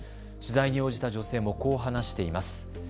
取材に応じた女性もこう話しています。